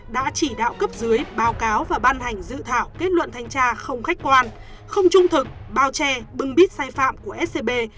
đã chỉ đạo cấp dưới báo cáo và ban hành dự thảo kết luận thanh tra không khách quan không trung thực bao che bưng bít sai phạm của scb